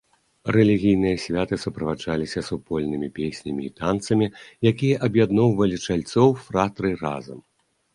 Рэлігійныя святы суправаджаліся супольнымі песнямі і танцамі, якія аб'ядноўвалі чальцоў фратрый разам.